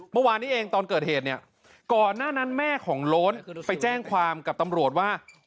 เมื่อวานนี้เองตอนเกิดเหตุเนี่ยก่อนหน้านั้นแม่ของโล้นไปแจ้งความกับตำรวจว่า